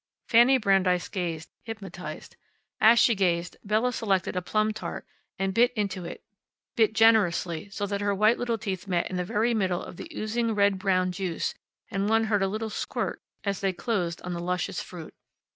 Fanny Brandeis gazed, hypnotized. As she gazed Bella selected a plum tart and bit into it bit generously, so that her white little teeth met in the very middle of the oozing red brown juice and one heard a little squirt as they closed on the luscious fruit.